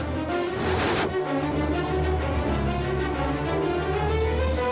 aku ikut bersamanya